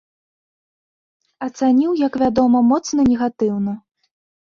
Ацаніў, як вядома, моцна негатыўна.